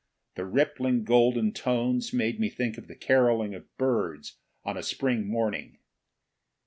The rippling golden tones made me think of the caroling of birds on a spring morning.